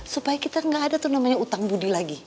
supaya kita gak ada tuh namanya utang budi lagi